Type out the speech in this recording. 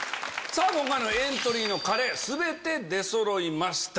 今回のエントリーのカレー全て出そろいました。